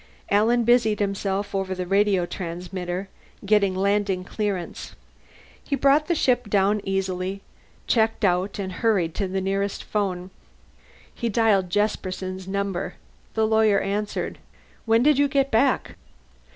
Alan busied himself over the radio transmitter, getting landing clearance. He brought the ship down easily, checked out, and hurried to the nearest phone. He dialed Jesperson's number. The lawyer answered. "When did you get back?"